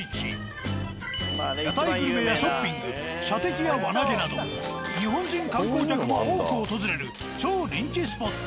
屋台グルメやショッピング射的や輪投げなど日本人観光客も多く訪れる超人気スポット。